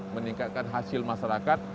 meningkatkan hasil masyarakat